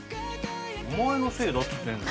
お前のせいだっつってんだ。